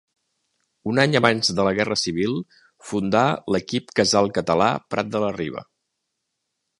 Un any abans de la Guerra Civil fundà l'equip Casal Català Prat de la Riba.